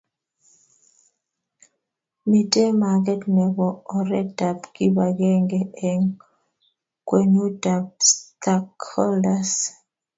Mitei mageet nebo oretab kibagenge eng kwenutab stakeholders.